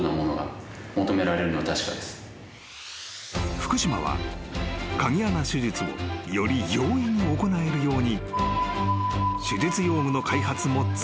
［福島は鍵穴手術をより容易に行えるように］